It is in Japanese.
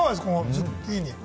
ズッキーニ。